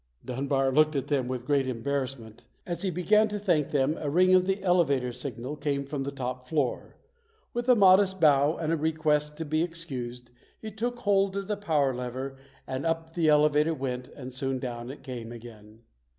Dunbar looked at them with great embarrass ment. As he began to thank them a ring of the elevator signal came from the top floor. With a modest bow and a request to be excused, he took hold of the power lever and up the elevator went and soon down it came again.